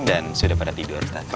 dan sudah pada tidur ustazah